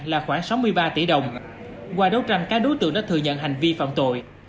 là khoảng sáu mươi ba tỷ đồng qua đấu tranh các đối tượng đã thừa nhận hành vi phạm tội